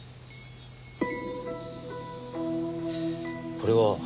これは？